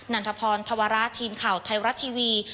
ันทพรธวระทีมข่าวไทยรัฐทีวี